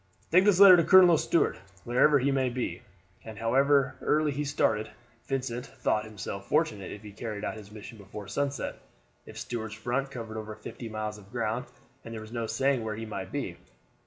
"Take this letter to Colonel Stuart, wherever he may be," and however early he started, Vincent thought himself fortunate if he carried out his mission before sunset; for Stuart's front covered over fifty miles of ground, and there was no saying where he might be.